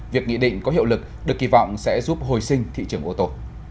việc nghị định có hiệu lực được kỳ vọng sẽ giúp hồi sinh thị trường ô tô